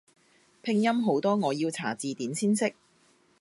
拼音好多我要查字典先識